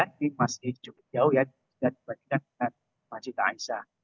ini masih cukup jauh dan banyak dengan masjid aisyah